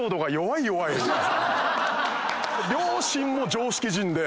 両親も常識人で。